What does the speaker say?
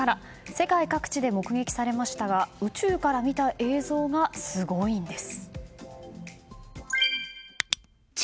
世界各地で目撃されましたが宇宙から見た映像がすごいんです。